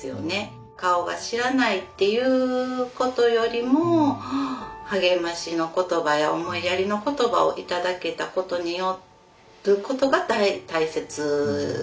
顔が知らないっていうことよりも励ましの言葉や思いやりの言葉を頂けたことによることが大切でしたね。